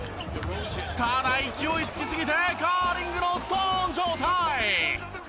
ただ勢いつきすぎてカーリングのストーン状態。